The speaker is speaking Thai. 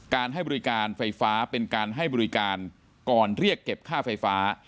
ให้บริการไฟฟ้าเป็นการให้บริการก่อนเรียกเก็บค่าไฟฟ้า